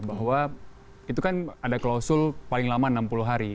bahwa itu kan ada klausul paling lama enam puluh hari